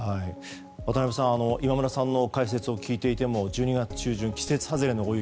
渡辺さん今村さんの解説を聞いていても１２月中旬、季節外れの大雪。